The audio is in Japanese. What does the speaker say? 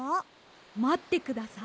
まってください。